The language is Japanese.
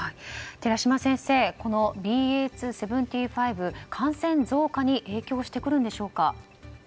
寺嶋先生、このＢＡ．２．７５感染増加に影響してくるんでしょうか。